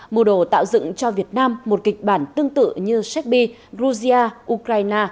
mùa đồ tạo dựng cho việt nam một kịch bản tương tự như shekby rusia ukraine